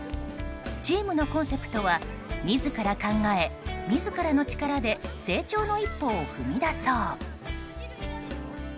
チームのコンセプトは「自ら考え、自らの力で成長の一歩を踏み出そう」。